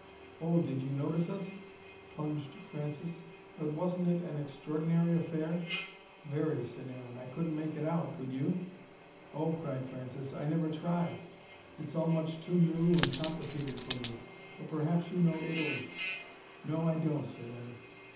"Oh, did you notice us?" plunged Francis. "But wasn't it an extraordinary affair?" "Very," said Aaron. "I couldn't make it out, could you?" "Oh," cried Francis. "I never try. It's all much too new and complicated for me. But perhaps you know Italy?" "No, I don't," said Aaron.